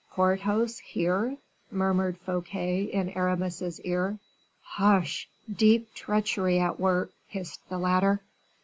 "Porthos here?" murmured Fouquet in Aramis's ear. "Hush! deep treachery at work," hissed the latter.